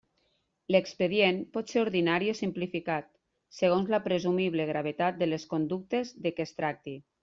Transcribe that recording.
L'expedient pot ser ordinari o simplificat, segons la presumible gravetat de les conductes de què es tracti.